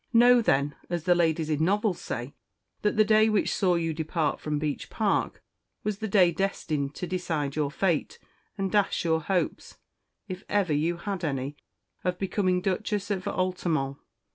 Know, then, as the ladies in novels say, that the day which saw you depart from Beech Park was the day destined to decide your fate, and dash your hopes, if ever you had any, of becoming Duchess of Altamont.